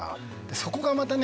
そこがまたね